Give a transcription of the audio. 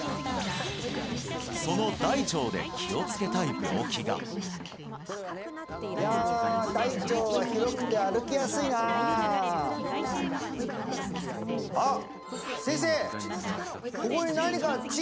その大腸で気をつけたい病気がいや大腸は広くて歩きやすいなああっ